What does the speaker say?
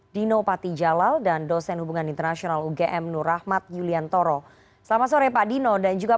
dino patijalal dan dosen hubungan internasional ugm nur rahmat yuliantoro